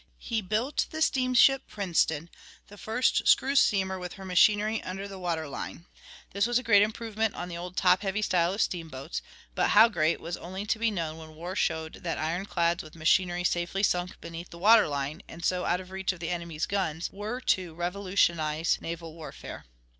He built the steamship Princeton, the first screw steamer with her machinery under the water line. This was a great improvement on the old top heavy style of steamboats, but how great was only to be known when war showed that ironclads with machinery safely sunk beneath the water line and so out of reach of the enemy's guns were to revolutionize naval warfare.